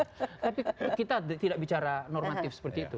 tapi kita tidak bicara normatif seperti itu